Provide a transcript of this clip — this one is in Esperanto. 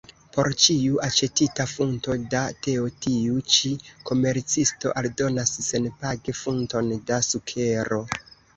Por ĉiu aĉetita funto da teo tiu ĉi komercisto aldonas senpage funton da sukero.